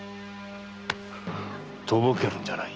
とぼけるんじゃない。